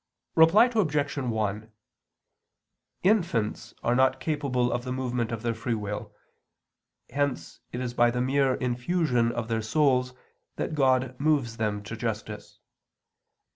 Reply Obj. 1: Infants are not capable of the movement of their free will; hence it is by the mere infusion of their souls that God moves them to justice.